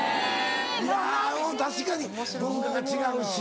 いや確かに文化が違うし。